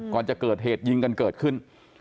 ก่อนจะเกิดเหตุยิงกันเกิดขึ้น